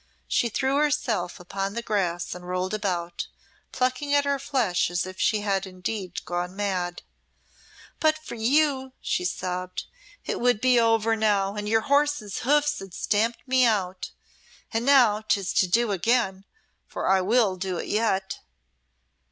She threw herself upon the grass and rolled about, plucking at her flesh as if she had indeed gone mad. "But for you," she sobbed, "it would be over now, and your horse's hoofs had stamped me out. And now 'tis to do again for I will do it yet."